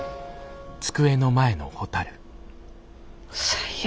最悪。